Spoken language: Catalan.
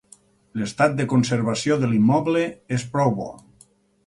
L'estat de conservació de l'immoble és prou bo.